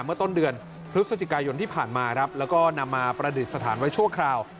เมื่อต้นเดือนพฤศจิกายนที่ผ่านมาครับแล้วก็นำมาประดิษฐานไว้ชั่วคราว